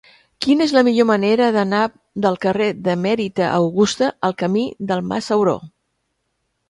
Quina és la millor manera d'anar del carrer d'Emèrita Augusta al camí del Mas Sauró?